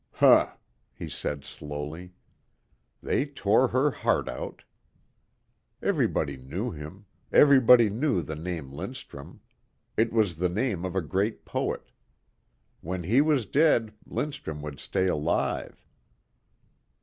"Huh," he said slowly, "they tore her heart out." Everybody knew him. Everybody knew the name Lindstrum. It was the name of a great poet. When he was dead Lindstrum would stay alive.